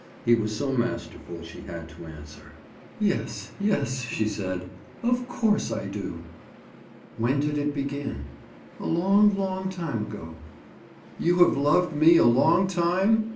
He was so masterful she had to answer. "Yes, yes," she said, "of course, I do." "When did it begin?" "A long, long time ago." "You have loved me a long time?"